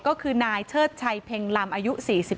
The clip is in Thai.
ก็คือนายเชิดชัยเพ็งลำอายุ๔๒